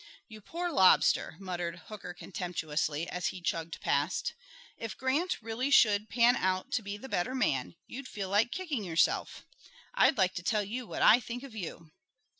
"You poor lobster!" muttered Hooker contemptuously, as he chugged past. "If Grant really should pan out to be the better man, you'd feel like kicking yourself. I'd like to tell you what I think of you."